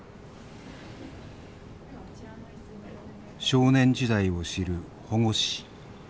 少年時代を知る保護司。